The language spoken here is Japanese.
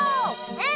うん！